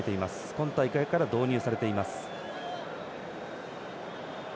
今大会から導入されています。